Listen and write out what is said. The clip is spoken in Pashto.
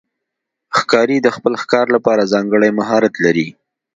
ښکاري د خپل ښکار لپاره ځانګړی مهارت لري.